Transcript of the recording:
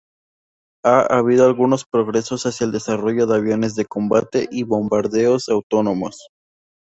Ha habido algunos progresos hacia el desarrollo de aviones de combate y bombarderos autónomos.